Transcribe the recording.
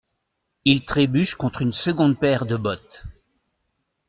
Il trébuche contre une seconde paire de bottes.